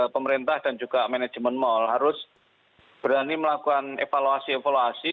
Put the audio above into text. pemerintah dan juga manajemen mal harus berani melakukan evaluasi evaluasi